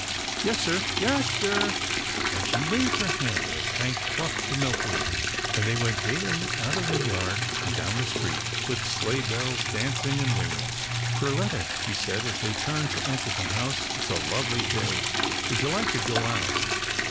" Yes, sir; yes, sir," and she waved her hand, as Hank clucked to Milkweed, and they went gaily out of the yard, and down the street, with sleigh bells dancing and ringing. GRAMPA'S DRIVE 135 " Perletta," she said, as they turned to enter the house, "It is a lovely day. Would you like to go out?"